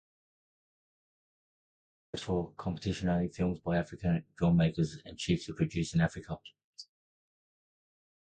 It accepts for competition only films by African filmmakers and chiefly produced in Africa.